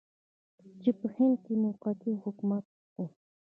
چې په هند کې موقتي حکومت و.